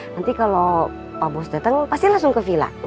nanti kalau pak bos datang pasti langsung ke villa